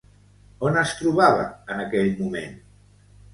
On es trobava en aquell moment?